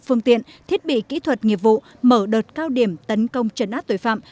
phương tiện thiết bị kỹ thuật nghiệp vụ mở đợt cao điểm tấn công trấn áp tội phạm